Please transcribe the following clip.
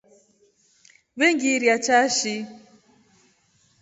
Vengiriachashi.